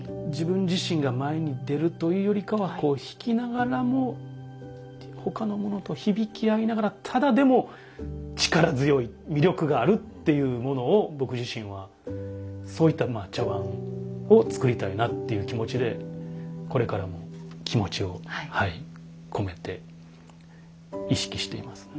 自分自身が前に出るというよりかは引きながらも他のものと響き合いながらただでも力強い魅力があるっていうものを僕自身はそういった茶碗を作りたいなっていう気持ちでこれからも気持ちを込めて意識しています。